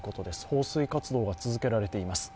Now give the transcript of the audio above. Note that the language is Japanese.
放水活動が続けられています。